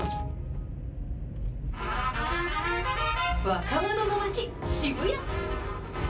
若者の街、渋谷。